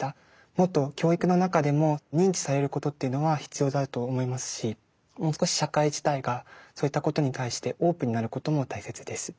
もっと教育の中でも認知されることというのは必要だと思いますしもう少し社会自体がそういったことに対してオープンになることも大切です。